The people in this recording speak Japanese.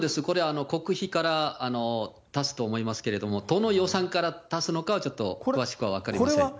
これ、国費から出すと思いますけれども、どの予算から出すのかは、ちょっと詳しくは分かりません。